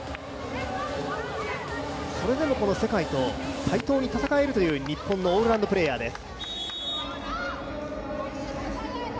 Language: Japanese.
それでも世界と対等に戦えるという日本のオールラウンドプレーヤーです。